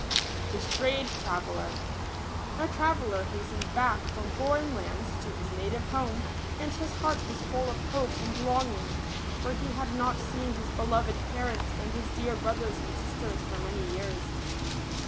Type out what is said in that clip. THE j&trageD ®rafcdlci » TRAVELLER hastened back from foreign lands to his native home ; and his heart was full of hope and longing, for he had not seen his beloved parents and his dear bro thers and sisters for many years.